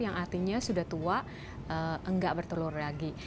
yang artinya sudah tua enggak bertelur lagi